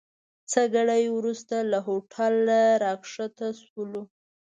څه ګړی وروسته له هوټل راکښته سولو.